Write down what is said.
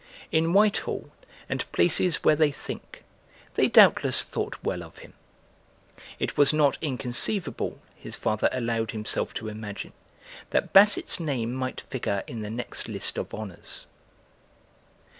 In Whitehall and places where they think, they doubtless thought well of him. It was not inconceivable, his father allowed himself to imagine, that Basset's name might figure in the next list of Honours.